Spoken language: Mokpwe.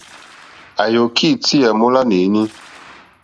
À yɔ̀kí ìtyá mólánè éní.